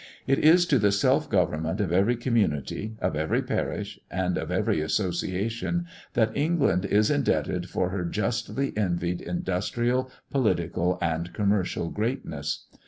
It is to the self government of every community, of every parish, and of every association, that England is indebted for her justly envied industrial, political, and commercial, greatness.